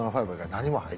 何も。